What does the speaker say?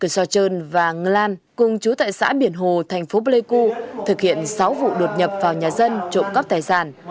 sơn và ng lan cùng chú tại xã biển hồ thành phố pleiku thực hiện sáu vụ đột nhập vào nhà dân trộm cắp tài sản